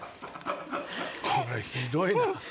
これひどいな。